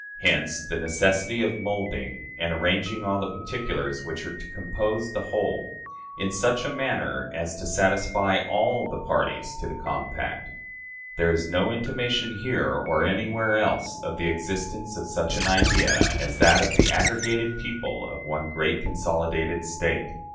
Hence the necessity of molding and arranging all the particulars, which are to compose the whole, in such a manner as to satisfy all the parties to the compact." There is no intimation here, or anywhere else, of the existence of any such idea as that of the aggregated people of one great consolidated state.